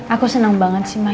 aku seneng banget sih